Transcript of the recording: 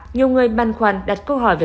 nhiều người băn khoăn đặt câu hỏi về